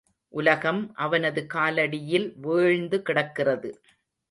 உலகம் அவனது காலடியில் வீழ்ந்து கிடக்கிறது.